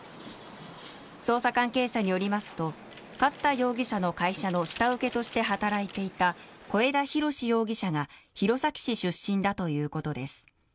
捜査関係者によりますと勝田容疑者の会社の下請けとして働いていた小枝浩志容疑者が弘前市出身だということです。